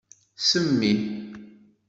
Semmi.